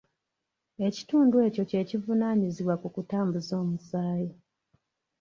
Ekitundu ekyo kye kivunaanyizibwa ku kutambuza omusaayi